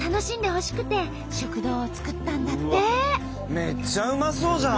めっちゃうまそうじゃん。